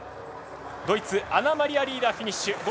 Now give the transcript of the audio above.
ドイツ、アナマリア・リーダーフィニッシュ。